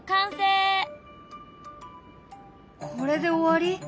これで終わり？